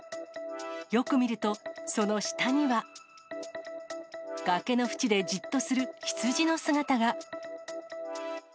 よく見ると、その下には。崖の縁でじっとする羊の姿が。